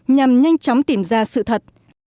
nhằm nhanh chóng tìm ra sự thật